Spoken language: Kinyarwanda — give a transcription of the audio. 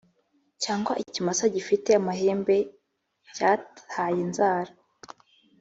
cyangwa ikimasa gifite amahembe cyat ye inzara